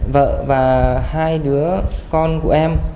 vợ và hai đứa con của em